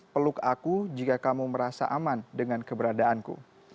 peluk aku jika kamu merasa aman dengan keberadaanku